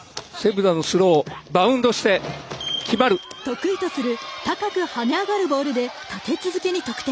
得意とする高く跳ね上がるボールで立て続けに得点。